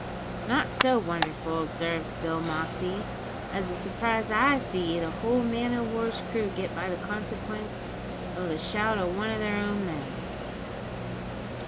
"Not so wonderful," observed Bill Moxey, "as the surprise I seed a whole man o' war's crew get by consequence o' the shout o' one of her own men."